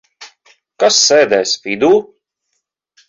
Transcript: Kas sēdēs vidū?